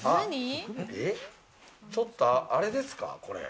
ちょっとアレですか？